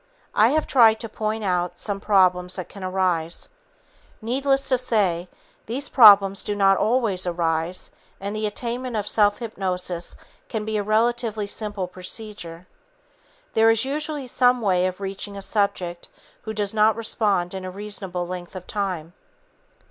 I have tried to point out some problems that can arise. Needless to say, these problems do not always arise, and the attainment of self hypnosis can be a relatively simple procedure. There is usually some way of reaching a subject who does not respond in a reasonable length of time.